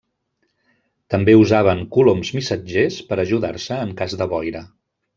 També usaven coloms missatgers per ajudar-se en cas de boira.